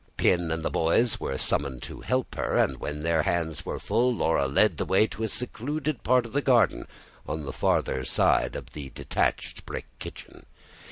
Pin and the boys were summoned to help her, and when their hands were full, Laura led the way to a secluded part of the garden on the farther side of the detached brick kitchen.